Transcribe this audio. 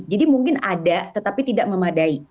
jadi mungkin ada tetapi tidak memadai